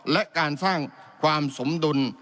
และการสร้างความสมดุล